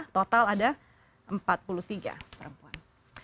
total ada empat puluh tiga perempuan